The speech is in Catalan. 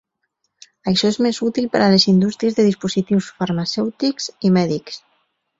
Això és més útil per a les indústries de dispositius farmacèutics i mèdics.